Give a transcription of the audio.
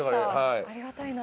ありがたいな。